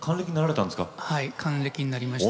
還暦になりました。